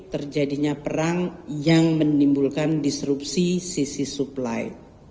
terjadinya perang yang menimbulkan disrupsi sisi supply